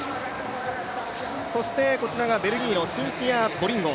そしてこちらがベルギーのシンティア・ボリンゴ。